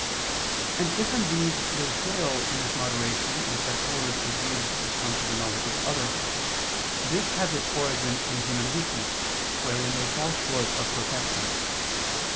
And if indeed they fail in this moderation in such words or deeds as come to the knowledge of others, this has its origin in human weakness wherein they fall short of perfection.